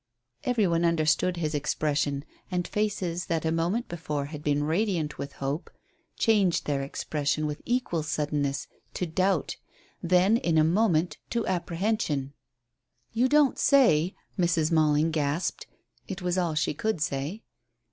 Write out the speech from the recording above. Every one understood his expression, and faces that a moment before had been radiant with hope changed their expression with equal suddenness to doubt, then in a moment to apprehension. "You don't say " Mrs. Malling gasped; it was all she could say.